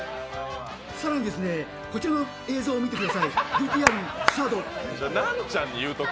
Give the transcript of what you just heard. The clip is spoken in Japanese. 更にですね、こちらの映像を見てください、ＶＴＲスタート。